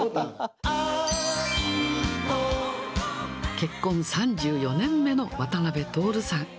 結婚３４年目の渡辺徹さん。